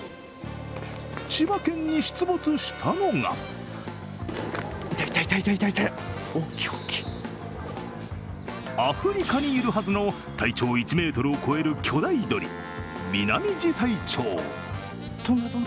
千葉県に出没したのがアフリカにいるはずの体長１ｍを超える巨大鳥・ミナミジサイチョウ。